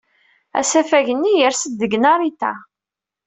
Asafag-nni yers-d deg Narita.